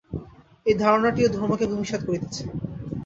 এই ধারণাটিও ধর্মকে ভূমিসাৎ করিতেছে।